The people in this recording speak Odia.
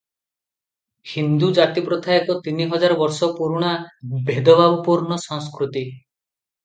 ହିନ୍ଦୁ ଜାତିପ୍ରଥା ଏକ ତିନି ହଜାର ବର୍ଷ ପୁରୁଣା ଭେଦଭାବପୂର୍ଣ୍ଣ ସଂସ୍କୃତି ।